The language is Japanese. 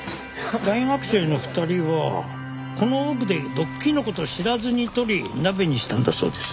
大学生の２人はこの奥で毒キノコと知らずに採り鍋にしたんだそうです。